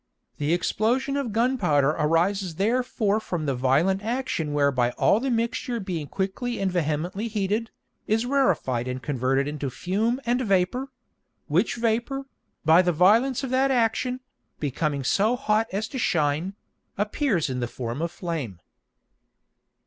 The Explosion of Gun powder arises therefore from the violent action whereby all the Mixture being quickly and vehemently heated, is rarified and converted into Fume and Vapour: which Vapour, by the violence of that action, becoming so hot as to shine, appears in the form of Flame.